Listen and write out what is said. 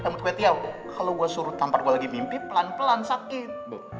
kamut gue tiaw kalo gue suruh tampar gue lagi mimpi pelan pelan sakit